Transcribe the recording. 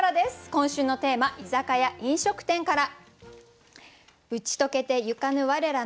今週のテーマ「居酒屋・飲食店」から。